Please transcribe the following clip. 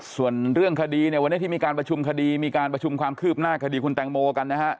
ส่วนเรื่องคดีเนี่ยวันนี้ที่มีการประชุมคดีมีการประชุมความคืบหน้าคดีคุณแตงโมกันนะฮะ